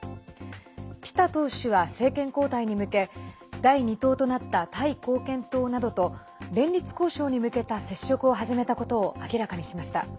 ピタ党首は政権交代に向け第２党となったタイ貢献党などと連立交渉に向けた接触を始めたことを明らかにしました。